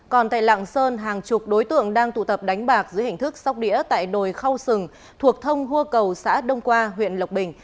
còn tại lạng sơn hàng chục đối tượng đang tụ tập đánh bạc dưới hình thức sóc đĩa tại đồi khao sừng thuộc thông hua cầu xã đông qua huyện lộc bình